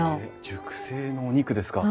熟成のお肉ですか。